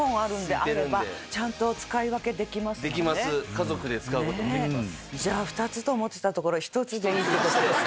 家族で使う事できます。